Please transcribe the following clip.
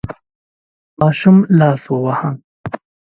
ماشوم لاس وواهه.